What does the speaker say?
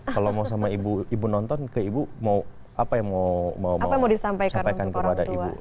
kalau mau sama ibu nonton ke ibu mau apa yang mau disampaikan kepada ibu